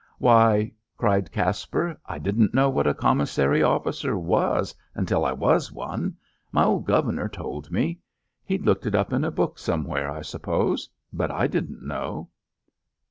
"Why," cried Caspar, "I didn't know what a commissary officer was until I was one. My old Guv'nor told me. He'd looked it up in a book somewhere, I suppose; but I didn't know."